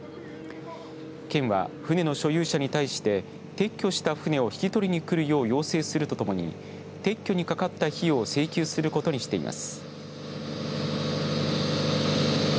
県は船の所有者に対して撤去した船を引き取りにくるよう要請するとともに撤去にかかった費用を請求することにしています。